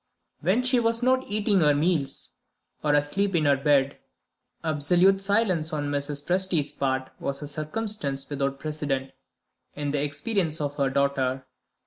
When she was not eating her meals or asleep in her bed, absolute silence on Mrs. Presty's part was a circumstance without precedent in the experience of her daughter.